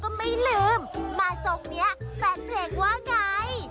ก็ไม่ลืมมาทรงนี้แฟนเพลงว่าไง